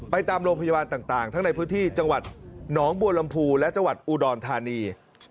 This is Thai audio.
ตามโรงพยาบาลต่างทั้งในพื้นที่จังหวัดหนองบัวลำพูและจังหวัดอุดรธานี